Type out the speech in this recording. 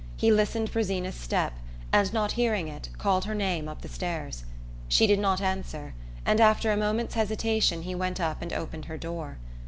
He listened for Zeena's step and, not hearing it, called her name up the stairs. She did not answer, and after a moment's hesitation he went up and opened her door.